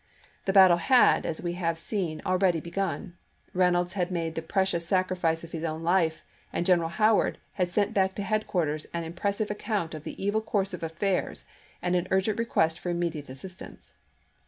The battle had, as we have seen, already begun, Eeynolds had made the precious sacrifice of his own life, and General Howard had sent back to headquarters an impres sive account of the evil course of affairs and an urgent request for immediate assistance.